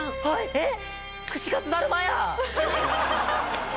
えっ？